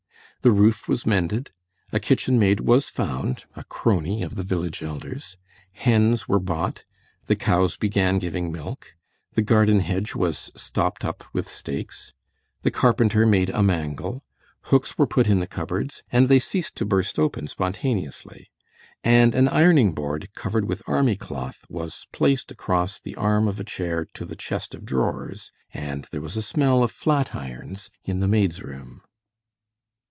The roof was mended, a kitchen maid was found—a crony of the village elder's—hens were bought, the cows began giving milk, the garden hedge was stopped up with stakes, the carpenter made a mangle, hooks were put in the cupboards, and they ceased to burst open spontaneously, and an ironing board covered with army cloth was placed across from the arm of a chair to the chest of drawers, and there was a smell of flatirons in the maids' room.